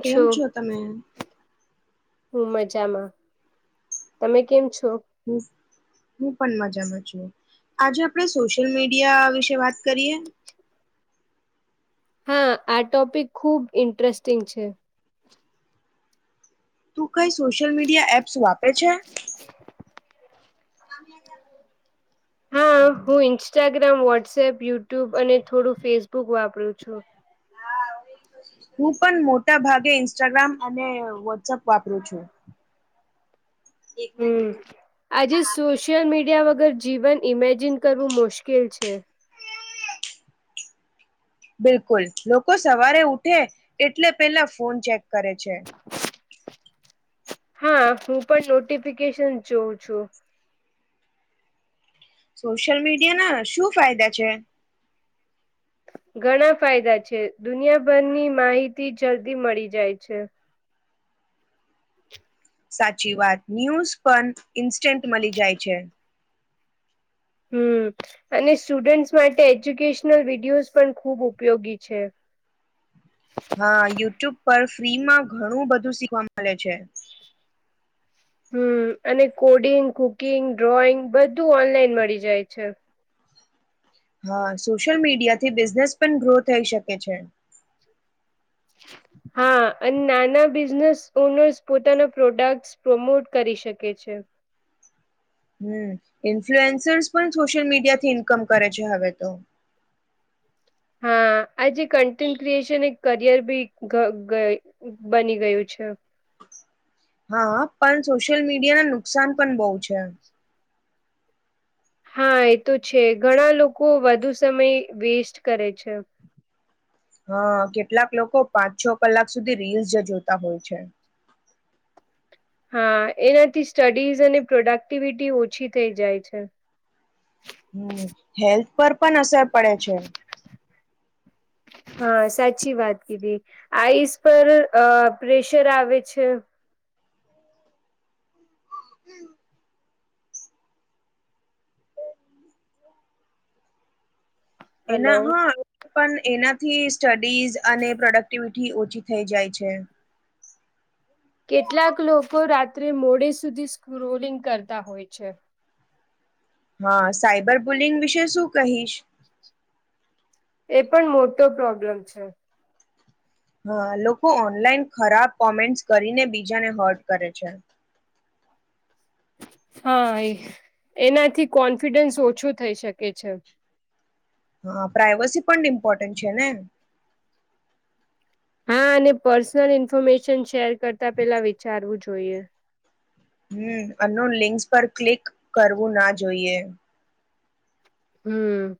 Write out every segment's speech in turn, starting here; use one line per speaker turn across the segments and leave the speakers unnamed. કેમ છો તમે
હું મજામાં તમે કેમ છો
હમ હું પણ મજામાં છું આજે આપણે સોશિયલ મીડિયા વિશે વાત કરીએ
હા આ ટોપિક ખુબ ઇન્ટરેસ્ટિંગ છે
તું કઈ સોશિયલ મીડિયા એપ્સ વાપરે છે નામ
હા હું ઇન્સ્ટ ્રામ વોટ્સએપ યુટ્યુબ અને થોડું ફેસબુક વાપરું છું
હું પણ મોટા ભાગે ઇન્સ્ટાગ્રામ અને વોટ્સઅપ વાપરું છું
હમ આજે સોશિયલ મીડિયા વગર જીવન ઈમેજિન કરવું મુશ્કેલ છે
બિલકુલ લોકો સવારે ઉઠે એટલે પેલા ફોન ચેક કરે છે
હા હું પણ નોટિફિકેશન જોઉં છું
સોશિયલ મીડિયા ના શું ફાયદા છે
ઘણા ફાયદા છે દુનિયાભરની માહિતી જલ્દી મળી જાય છે
સાચી વાત ન્યૂઝ પણ ઇન્સ્ટન્ટ મળી જાય છે
હમ અને સ્ટુડન્ટસ માટે એજ્યુકેશનલ વિડિયોઝ પણ ખૂબ ઉપયોગી છે
હા યુટ્યુબ પર ફ્રીમાં ઘણું બધું શીખવા મળે છે
હમ અને કોડિંગ કુકિંગ ડ્રોઈંગ બધું ઓનલાઈન મળી જાય છે.
હા સોશિયલ મીડિયાથી બિઝનેસ પણ ગ્રો થઈ શકે છે.
હા. અને નાના બિઝનેસ ઓનર્સ પોતાના પ્રોડક્ટસ પ્રોમોટ કરી શકે છે.
હમ ઇન્ફ્લુએન્સર્સ પણ સોશિયલ મીડિયાથી ઇન્કમ કરે છે હવે તો.
હા આજે કન્ટેન્ટ ક્રિએશન એક કરિયર બી બની ગયું છે.
હા પણ સોશિયલ મીડિયાને નુકસાન પણ બહુ છે.
હા એ તો છે ઘણા લોકો વધુ સમય વેસ્ટ કરે છે.
હા કેટલાક લોકો પાંચ છ કલાક સુધી રીલ્સ જ જોતા હોય છે.
હા એનાથી સ્ટડીઝ અને પ્રોડક્ટિવિટી ઓછી થઈ જાય છે.
હમ હેલ્થ પર પણ અસર પડે છે.
હા સાચી વાત કીધી આઈસ પર પ્રેશર આવે છે.
હમ્મ.
હલો
એના હા પણ એના [unintelligible] ઝ અને પ્રોડક્ટિવિટી ી ઓછી થઈ જાય છે.
કેટલાક લોકો રાત્રે મોડે સુધી સ્ક્રોલિંગ કરતા હોય છે.
હા સાઈબર બુલિંગ વિશે શું કહીશ.
એ પણ મોટો પ્રોબ્લેમ છે.
હા લોકો ઓનલાઈન ખરાબ કોમેન્ટસ કરીને બીજાને હર્ટ કરે છે.
હા એ એનાથી કોન્ફિડન્સ ઓછો થઈ શકે છે.
હા પ્રાઈવસી પણ ઇમ્પોર્ટન્ટ છે ને.
હા અને પર્સનલ ઇન્ફોર્મેશન શેર કરતા પેલા વિચારવું જોઈએ.
હમ આનું લિંક્સ પર ક્લિક કરવું ના જોઈએ.
હમ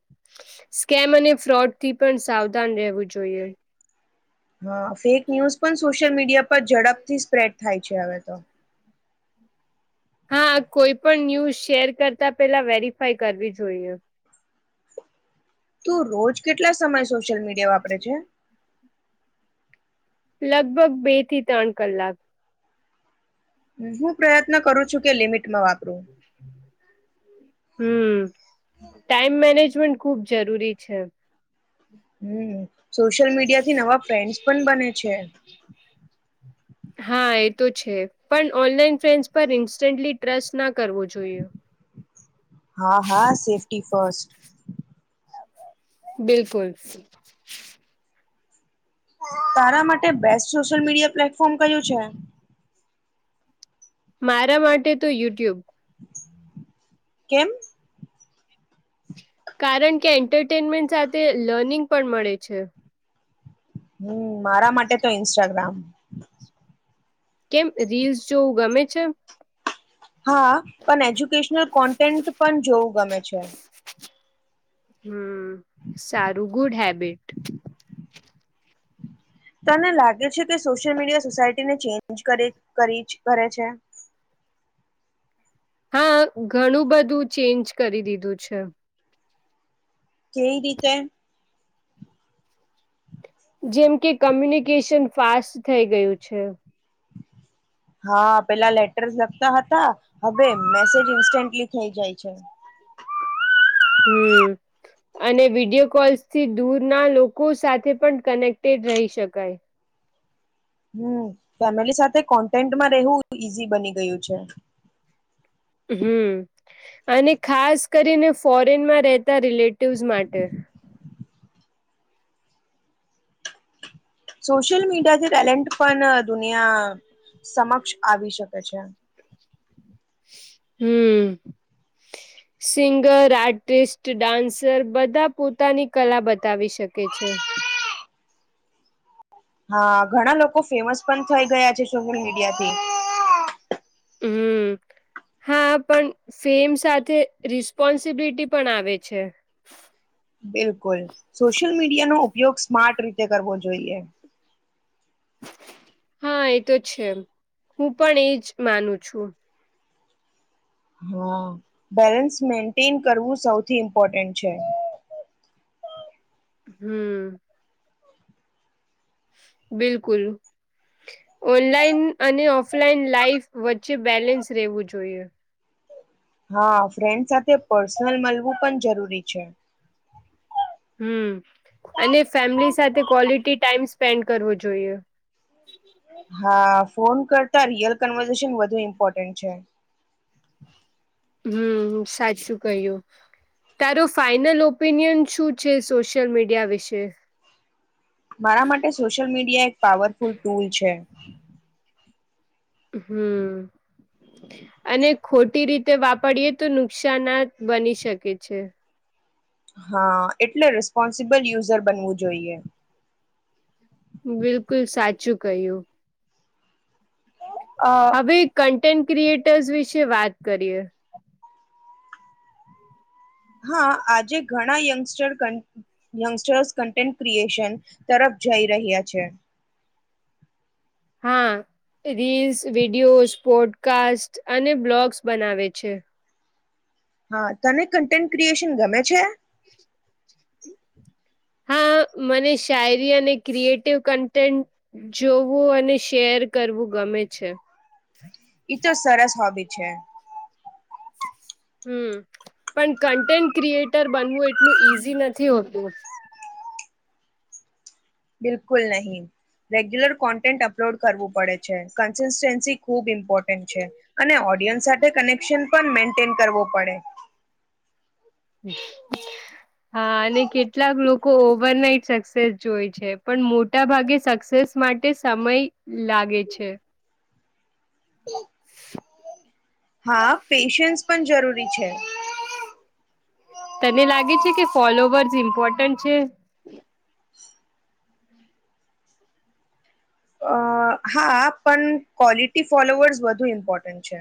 સ્કેમ અને ફ્રોડ થી પણ સાવધાન રહેવું જોઈએ.
હા ફેક ન્યૂઝ પણ સોશિયલ મીડિયા પર ઝડપથી સ્પ્રેડ થાય છે હવે તો.
હા કોઈ પણ ન્યૂઝ શેર કરતા પેલા વેરીિફાય કરવી જોઈએ.
તું રોજ કેટલા સમય સોશિયલ મીડિયા કે વાપરે છે.
લગભગ બે થી ત્રણ કલાક.
હું પ્રયત્ન કરું છું કે લિમિટ
[inaudible] હમ ટાઈમ મેનેજમેન્ટ ખુબ જરૂરી છે.
હમ્મ. સોશિયલ મીડિયા થી નવા ફ્રેન્ડસ પણ બને છે.
હા એ તો છે પણ ઓનલાઈન ફ્રેન્ડસ પર ઇન્સ્ટન્ટલી ટ્રસ્ટ ના કરવો જોઈએ.
હા હા સેફ્ટી ફસ્ટ.
બિલકુલ.
તારા માટે બેસ્ટ સોશિયલ મીડિયા પ્લેટફોર્મ કયું છે.
મારા માટે તો યુટ્યુબ.
કેમ.
કારણ કે એન્ટરટેનમેન્ટ સાથે લર્નિંગ પણ મળે છે
હમ મારા માટે તો ઇન્સ્ટાગ્રામ
કેમ રીલ્સ જોવું ગમે છે
હા પણ એજ્યુકેશનલ કોન્ટેન્ટ પણ જોવું ગમે છે
હમ સારું ગુડ હેબિટ
તને લાગે છે કે સોશિયલ મીડિયા સોસાયટીને ચેન્જ કરે છે
હા ઘણું બધું ચેન્જ કરી દીધું છે
કેવી રીતે
જેમ કે કમ્યુનિકેશન ફાસ્ટ થઈ ગયું છે
હા પેલા લેટર્સ લખતા હતા હવે મેસેજ ઇન્સ્ટન્ટલી થઈ જાય છે
હમ અને વિડીિયો કોલ્સ થી દૂરના લોકો સાથે પણ કનેક્ટેડ રહી શકાય
હમ ફેમિલી સાથે કોન્ટેન્ટમાં રહેવું ઈઝી બની ગયું છે.
હમ, અને ખાસ કરીને ફોરેનમાં રહેતા રિલેટિવ્સ માટે.
સોશિયલ મીડિયાથી ટેલેન્ટ પણ દુનિયા સમક્ષ આવી શકે છે.
હમ, સિંગર, આર્ટિસ્ટ, ડાન્સર બધા પોતાની કલા બતાવી શકે છે.
હા ઘણા લોકો ફેમસ પણ થઈ ગયા છે સોશલ મીડિયાથી.
હમ, હા પણ ફેમ સાથે રિસ્પોન્સિબિલિટી પણ આવે છે.
બિલકુલ, સોશિયલ મીડિયાનો ઉપયોગ સ્માર્ટ રીતે કરવો જોઈએ.
હા એ તો છે, હું પણ એજ માનું છું.
હા, બેલેન્સ મેન્ટેન કરવું સૌથી ઇમ્પોર્ટન્ટ છે.
હમ. બિલકુલ, ઓનલાઈન અને ઓફલાઈન લાાઈફ વચ્ચે બેલેન્સ રહેવું જોઈએ.
હા ફ્રેન્ડ સાથે પર્સનલ મળવું પણ જરૂરી છે.
હમ, અને ફેમિલી સાથે ક્વલિટી ટાઈમ સ્પેન્ડ કરવો જોઈએ.
હા ફોન કરતા રિયલ કન્વેન્શન વધુ ઇમ્પોર્ટન્ટ છે.
હમ સાચું કહ્યું, તારો ફાઈનલ ઓપિનિયન શું છે સોશિયલ મીડિયા વિશે?
મારા માટે સોશિયલ મીડિયા પાવરફુલ ટૂલ છે.
હમ, અને ખોટી રીતે વાપરીયએ તો નુકશાન બની શકે છે.
હા એટલે રિસ્પોન્સિબલ યુઝર બનવું જોઈએ.
બિલકુલ સાચું કહ્યું.
અ
હવે ક ક્રિએટર વિશે વાત કરીએ.
હા આજે ઘણાય યંગસ્ટર્સ કન્ટેન્ટ ક્રિએશન, તરફ જઈ રહ્યા છે.
હા, રીલ્સ, વિડિયોઝ, પોડકાસ્ટ અને બ્લોગ્સ બનાવે છે.
હા તને કન્ટેન્ટ ક્રિએશન ગમે છે?
[inaudible] હા મને શાયરી અને ક્રિએટિવ કન્ટેન્ટ જોવું અને શેર કરવું ગમે છે.
ઈ તો સરસ હોબી છે.
હમ, પણ કન્ટેન્ટ ક્રિએટર બનવું એટલું ઈઝી નથી હોતું.
બિલકુલ નહીં, રેગ્યુલર કોન્ટેન્ટ અપલોડ કરવું પડે છે કન્સિસ્ટન્સી ખૂબ ઇમ્પોર્ટન્ટ છે. અને ઓડિયન્સ સાથે કનેક્શન પણ મે કરવો પડે.
હા અને કેટલાક લોકો ઓવરનાઈટ સક્સેસ જોય છે પણ મોટા ભાગે સક્સેસ માટે સમય લાગે છે. [inaudible]
હા પેશન્સ પણ જરૂરી છે.
તને લાગે છે કે ફોલોવર્સ ઇમ્પોર્ટન્ટ છે?
અ હા પણ ક્વોલિટી ફોલોવર્સ વધુ ઇમ્પોર્ટન્ટ છે.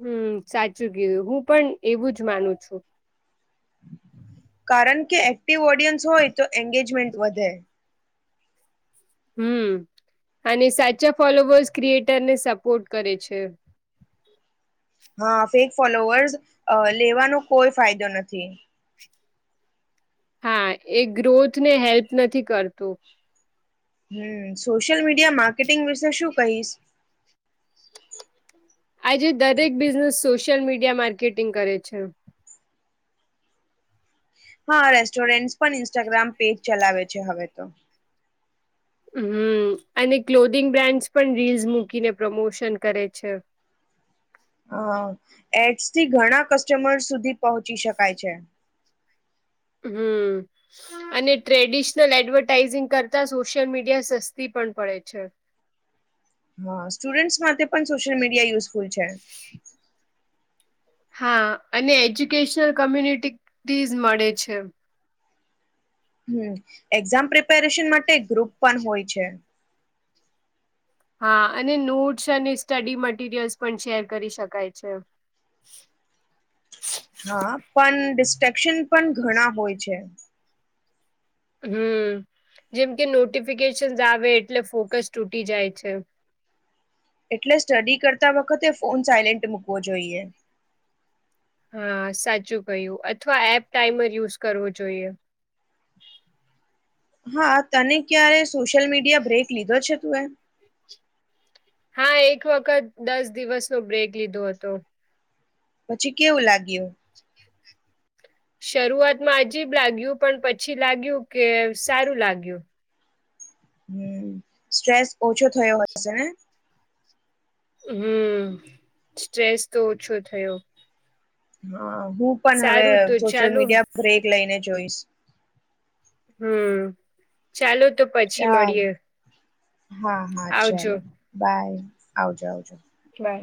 હમ સાચું કીધું હું પણ એવું જ માનું છું.
કારણ કે એક્ટિવ ઓડિયન્સ હોય તો એંગેજમેન્ટ વધે.
હમ, અને સાચા ફોલોવર્સ ક્રિએટર ને સપોર્ટ કરે છે.
હા ફેક ફોલોવર્સ લેવાનો કોઈ ફાયદો નથી.
હા એ ગ્રોથ ને હેલ્પ નથી કરતું.
હમ સોશિયલ મીડિયા માર્કેટિંગ વિશે શું કહીશ?
આજે દરેક બિઝનેસ સોશિયલ મીડિયા માર્કેટિંગ કરે છે.
હા, રેસ્ટોરેન્ટ પણ ઇન્સ્ટાગ્રામ પેજ ચલાવે છે હવે તો.
હમ, અને ક્લોધિંગ બ્રાન્ડ્સ પણ રીલ્સ મૂકીને પ્રમોશન કરે છે.
હ, એડ્સ થી ઘણા કસ્ટમર સુધી પહોંચી શકાય છે.
હમ, અને ટ્રેડિશનલ એડવર્ટાઈઝિંગ કરતા સોશિયલ મીડિયા સસ્તી પણ પડે છે.
હા, સ્ટુડન્ટસ માટે પણ સોશિયલ મીડિયા યુઝફુલ છે.
હા, અને એજ્યુકેશનલ કોમ્યુનિટીટીઝ મળે છે.
હમ, એક્ઝામ પ્રિપેરેશન માટે ગ્રુપ પણ હોય છે.
હા, અને નોટ્સ અને સ્ટડી મટીરિયલ્સ પણ શેર કરી શકાય છે.
હા, પણ ડિસ્ટ્રેક્શન પણ ઘણા હોય છે.
હમ, જેમ કે નોટિફિકેશન્સ આવે એટલે ફોકસ તૂટી જાય છે.
એટલે, સ્ટડી કરતા વખતે ફોન સાયલેન્ટ મૂકવો જોઈએ.
હા, સાચું કહ્યું. અથવા એપ ટાઈમર યુઝ કરવો જોઈએ.
હા, તને ક્યારે સોશિયલ મીડિયા બ્રેક લીધો છે? તું એ.
હા, એક વખત દસ દિવસ નો બ્રેક લીધો હતો.
પછી કેવું લાગ્યું?
શરૂઆતમાં અજીબ લાગ્યું, પણ પછી લાગ્યું કે સારું લાગ્યું.
હમ, સ્ટ્રેસ ઓછો થયો હશે ને?
હમ, સ્ટ્રેસ તો ઓછો થયો.
હા. હું પણ હવે
સારું તો
સોશિયલ
ચાલો
મીડિયા બ્રેક લઈને. જોઈશ.
હમ, ચાલો. તો પછી
ચાલ,
મળીએ
હા હા,
આવજો
ચાલો, બાય, આવજો, આવજો.
બાય.